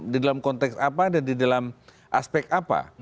di dalam konteks apa dan di dalam aspek apa